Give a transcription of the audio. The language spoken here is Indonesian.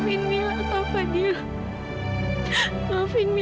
ini yang gue pilih nih